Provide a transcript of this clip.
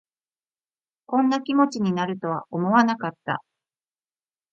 こんな気持ちになるとは思わなかった